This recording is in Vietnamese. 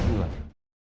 anh về đo